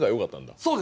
そうです。